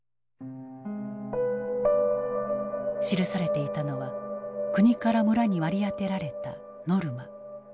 記されていたのは国から村に割り当てられたノルマ。